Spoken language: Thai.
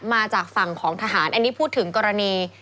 มาจากฝั่งของทหารอันนี้พูดถึงกรณี